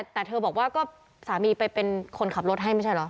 แต่เธอบอกว่าก็สามีไปเป็นคนขับรถให้ไม่ใช่เหรอ